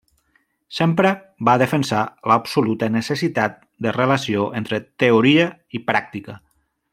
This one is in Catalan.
Sempre va defensar l’absoluta necessitat de relació entre teoria i pràctica.